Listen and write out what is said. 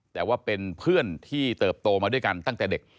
แต่ว่าเป็นเพื่อนที่เติบโตมาด้วยกันตั้งแต่เด็ก